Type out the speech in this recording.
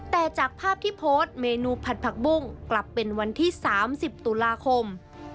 แต่จากภาพที่โพสต์เมนูผัดผักบุ้งกลับเป็นวันที่๓๐ตุลาคม